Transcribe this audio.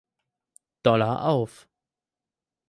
Dollar auf.